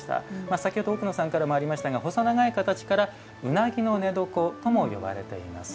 先ほど奥野さんからもありましたが細長い形から「うなぎの寝床」とも呼ばれています。